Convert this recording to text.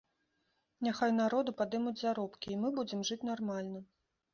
Няхай народу падымуць заробкі, і мы будзем жыць нармальна.